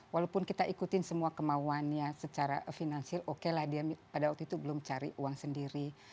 walaupun kita ikutin semua kemauannya secara finansial oke lah dia pada waktu itu belum cari uang sendiri